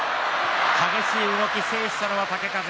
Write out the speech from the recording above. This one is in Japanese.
激しい動き、制したのは豪風。